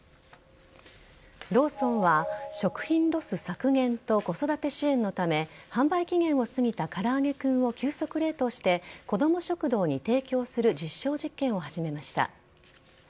ローソンは食品ロス削減と子育て支援のため、販売期限を過ぎたからあげクンを急速冷凍して、子ども食堂に提供する実証実験を始めました。